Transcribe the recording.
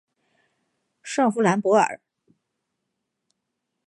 圣夫兰博尔。